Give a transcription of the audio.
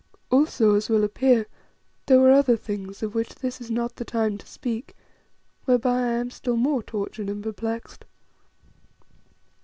Also, as will appear, there were other things of which this is not the time to speak, whereby I am still more tortured and perplexed.